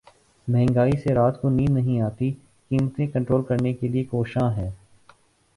مہنگائی سے رات کو نیند نہیں آتی قیمتیں کنٹرول کرنے کے لیے کوشاں ہیں